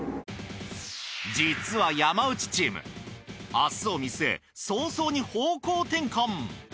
実は山内チーム明日を見据え早々に方向転換。